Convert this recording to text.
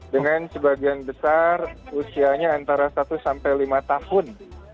dengan sebagian besar usianya antara satu sampai lima tahun